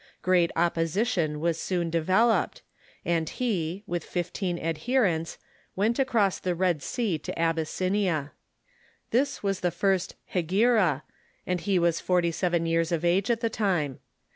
Great opposition was soon developed, and he, with fifteen adherents, went across the Red Sea to Abyssinia. This was the first Hegira, and he was forty seven years of age at the time.